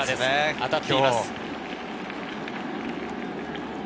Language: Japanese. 当たっています。